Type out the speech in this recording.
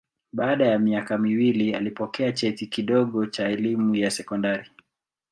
Baada ya miaka miwili alipokea cheti kidogo cha elimu ya sekondari.